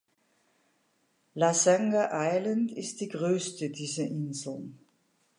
Lasanga Island ist die größte dieser Inseln.